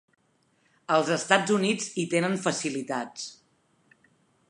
Els Estats Units hi tenen facilitats.